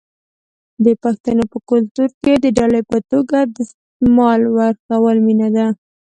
د پښتنو په کلتور کې د ډالۍ په توګه دستمال ورکول مینه ده.